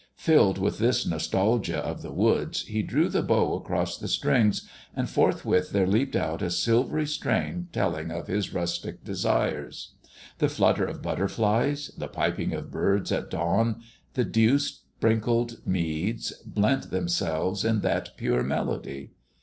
Filled with this nostalgia of the woods, he drew the bow across the strings, and forthwith there leaped out a silvery strain telling of his rustic desires. The flutter of butterflies, the piping of birds at dawn, the dew sprinkled meads, blent themselves in that pure melody.